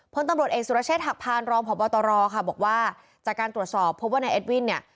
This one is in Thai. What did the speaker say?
เพราะตำรวจเอกซุรเชษฐกพรรณรองผอบตรบอกว่าจากการตรวจสอบพบว่าในเอ็ดวิทย์เนี่ย